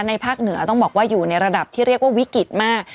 ภาคเหนือต้องบอกว่าอยู่ในระดับที่เรียกว่าวิกฤตมาก